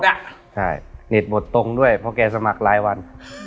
ใช่เน็ตหมดตรงด้วยเพราะแกสมัครหลายวัน